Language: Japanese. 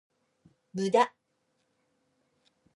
無駄